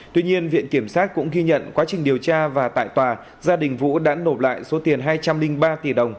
tuy nhiên viện kiểm sát cũng ghi nhận quá trình điều tra và tại tòa gia đình vũ đã nộp lại số tiền hai trăm linh ba tỷ đồng